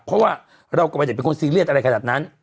เพราะว่าเราก็ไม่ได้เป็นคนซีเรียสอะไรขนาดนั้น